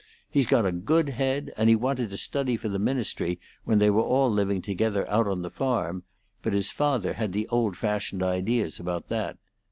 He's got a good head, and he wanted to study for the ministry when they were all living together out on the farm; but his father had the old fashioned ideas about that.